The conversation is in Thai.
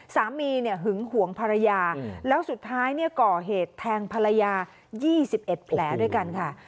สามีเนี่ยหึงหวงภรรยาแล้วสุดท้ายเนี่ยก่อเหตุแทงภรรยา๒๑แผลด้วยกันค่ะ